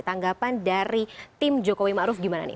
tanggapan dari tim jokowi ma'ruf gimana nih